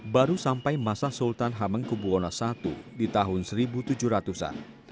baru sampai masa sultan hamengkubwono i di tahun seribu tujuh ratus an